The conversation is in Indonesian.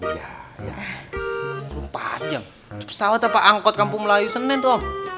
itu pesawat apa angkot kampung melayu senen toh